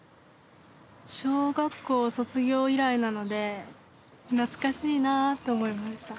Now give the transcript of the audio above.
小学校卒業以来なので懐かしいなと思いました。